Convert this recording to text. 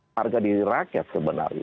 harga diri rakyat sebenarnya